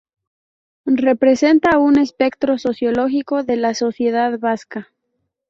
Representa a un espectro sociológico de la sociedad vasca.